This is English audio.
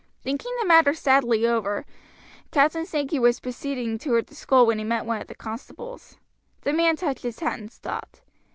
Thinking the matter sadly over, Captain Sankey was proceeding toward the school when he met one of the constables. The man touched his hat and stopped.